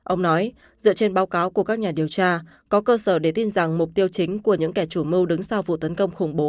ông nói dựa trên báo cáo của các nhà điều tra có cơ sở để tin rằng mục tiêu chính của những kẻ chủ mưu đứng sau vụ tấn công khủng bố